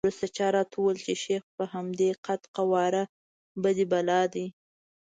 وروسته چا راته وویل چې شیخ په همدې قد وقواره بدي بلا دی.